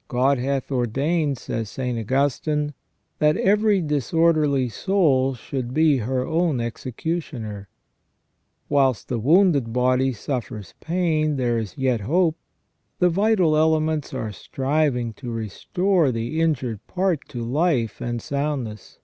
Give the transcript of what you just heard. " God hath ordained," says St. Augustine, " that every disorderly soul should be her own executioner." Whilst the wounded body suffers pain there is yet hope, the vital elements are striving to restore the injured part to life and sound ness.